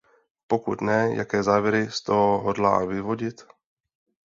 Pokud ne, jaké závěry z toho hodlá vyvodit?